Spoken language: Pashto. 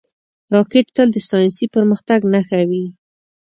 راکټ تل د ساینسي پرمختګ نښه وي